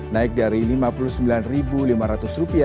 naik dari rp lima puluh sembilan lima ratus